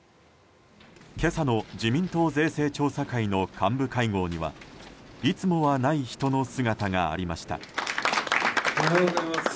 今朝の自民党税制調査会の幹部会合にはいつもはない人の姿がありました。